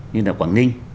như là quảng ninh